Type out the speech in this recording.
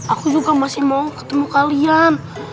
aku juga masih mau ketemu kalian